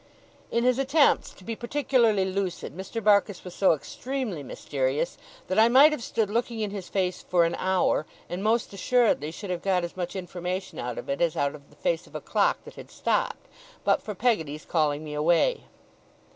In his attempts to be particularly lucid, Mr. Barkis was so extremely mysterious, that I might have stood looking in his face for an hour, and most assuredly should have got as much information out of it as out of the face of a clock that had stopped, but for Peggotty's calling me away.